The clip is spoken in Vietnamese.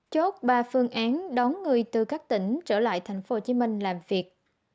chốt ba phương án đón người từ các tỉnh trở lại tp hcm làm việc